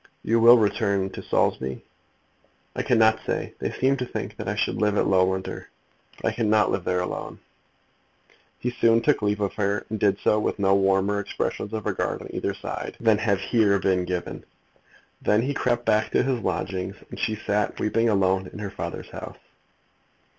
"You will return to Saulsby." "I cannot say. They seem to think that I should live at Loughlinter; but I cannot live there alone." He soon took leave of her, and did so with no warmer expressions of regard on either side than have here been given. Then he crept back to his lodgings, and she sat weeping alone in her father's house.